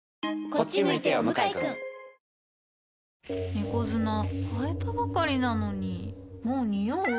猫砂替えたばかりなのにもうニオう？